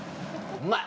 うまい！